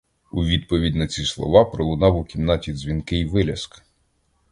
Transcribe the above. У відповідь на ці слова пролунав у кімнаті дзвінкий виляск.